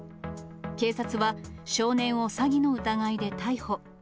警察は、少年を詐欺の疑いで逮捕。